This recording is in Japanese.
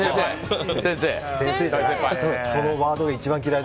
そのワードが一番嫌い。